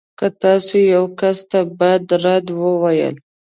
که تاسو يو کس ته بد رد وویل.